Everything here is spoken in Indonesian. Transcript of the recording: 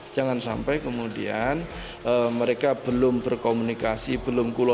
jangan sampai kemudian mereka belum berkomunikasi belum kulon